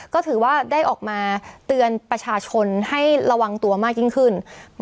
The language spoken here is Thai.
ก็ถือว่าได้ออกมาเตือนประชาชนให้ระวังตัวมากยิ่งขึ้น